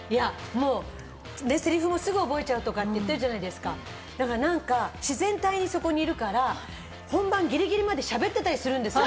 台詞もすぐ覚えちゃうとか言ってるじゃないですか、自然体でそこにいるから本番ギリギリまでしゃべってたりするんですよ。